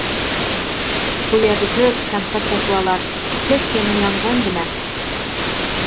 بۇ يەردە كۆپ تەنقىد پەشۋالار، تىز كەينىڭگە يانغىن دېمە.